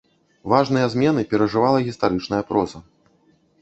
Важныя змены перажывала гістарычная проза.